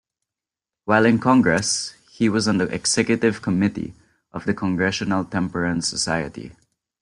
While in Congress, he was on the executive committee of the Congressional Temperance Society.